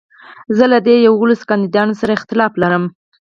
زه له دې يوولسو کانديدانو سره اختلاف لرم.